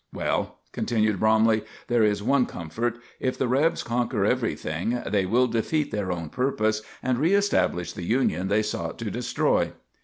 Well," continued Bromley, "there is one comfort: if the Rebs conquer everything, they will defeat their own purpose and reestablish the Union they sought to destroy."